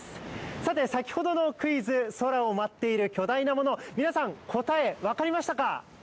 さて、先ほどのクイズ空を舞っている巨大なもの皆さん、答え、分かりましたか？